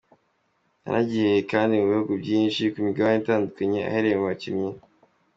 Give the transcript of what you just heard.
Yanagiye kandi mu bihugu byinshi, ku migabane itandukanye aherekeje abakinnyi.